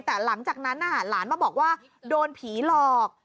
แต่หลังจากนั้นหลานมาบอกว่าโดนผีหลอก